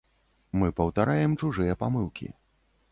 Мы паўтараем чужыя памылкі.